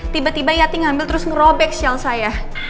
tiba tiba yati ngambil terus ngerobek shell saya